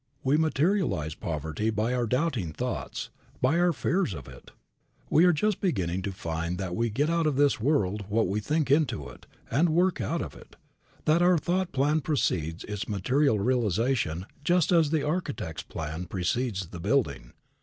We materialize poverty by our doubting thoughts, by our fears of it. We are just beginning to find that we get out of this world what we think into it and work out of it, that our thought plan precedes its material realization just as the architect's plan precedes the building.